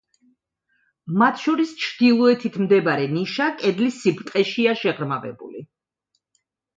მათ შორის ჩრდილოეთით მდებარე ნიშა კედლის სიბრტყეშია შეღრმავებული.